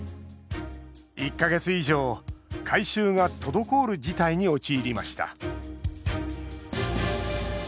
１か月以上回収が滞る事態に陥りました。